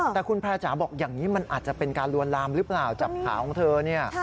แต่คุณแพร่จ๋าบอกอย่างนี้มันอาจจะเป็นการลวนลามหรือเปล่าจับขาของเธอเนี่ย